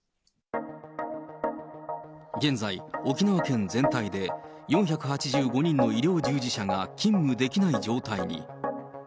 現在、沖縄県全体で、４８５人の医療従事者が勤務できない状態に。